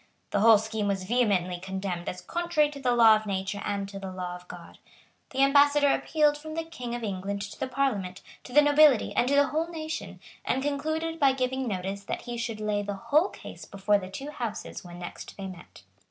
The whole scheme was vehemently condemned as contrary to the law of nature and to the law of God. The ambassador appealed from the King of England to the Parliament, to the nobility, and to the whole nation, and concluded by giving notice that he should lay the whole case before the two Houses when next they met.